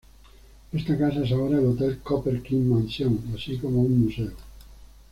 Esta casa es ahora el hotel "Copper King Mansion", así como un museo.